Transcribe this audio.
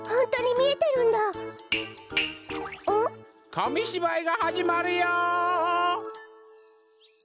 かみしばいがはじまるよ！